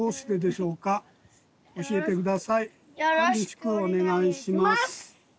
よろしくお願いします。